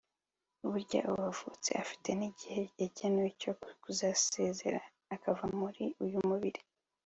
Burya uwavutse afite n’igihe cyagenwe cyo kuzasezera akava muri uyu mubiri